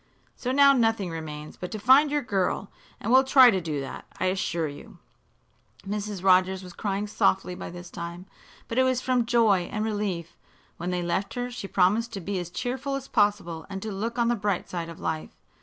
So now nothing remains but to find your girl, and we'll try to do that, I assure you." Mrs. Rogers was crying softly by this time, but it was from joy and relief. When they left her she promised to be as cheerful as possible and to look on the bright side of life.